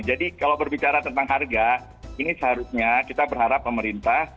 jadi kalau berbicara tentang harga ini seharusnya kita berharap pemerintah